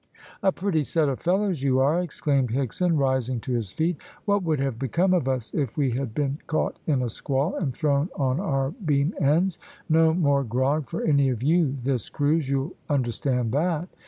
"A pretty set of fellows you are!" exclaimed Higson, rising to his feet. "What would have become of us if we had been caught in a squall and thrown on our beam ends? No more grog for any of you this cruise you'll understand that?"